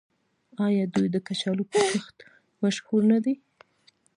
آیا دوی د کچالو په کښت مشهور نه دي؟